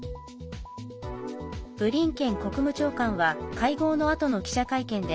ブリンケン国務長官は会合のあとの記者会見で